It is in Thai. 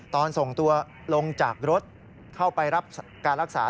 ตอนส่งตัวลงจากรถเข้าไปรับการรักษา